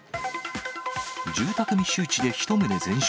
住宅密集地で１棟全焼。